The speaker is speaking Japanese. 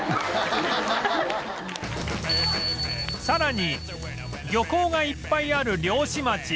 さらに漁港がいっぱいある漁師町